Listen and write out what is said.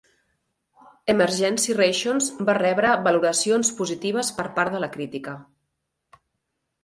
"Emergency Rations" va rebre valoracions positives per part de la crítica.